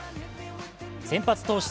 先発投手